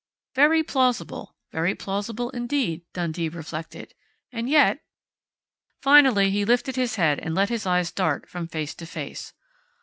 Very plausible, very plausible indeed, Dundee reflected. And yet Finally he lifted his head and let his eyes dart from face to face.